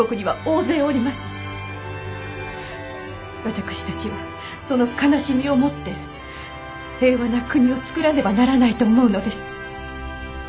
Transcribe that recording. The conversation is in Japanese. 私たちはその悲しみをもって平和な国を造らねばならないと思うのです。